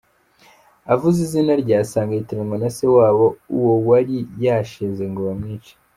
Avuze izina rye, asanga yitiranwa na se wabo uwo wari yasheze ngo bamwice.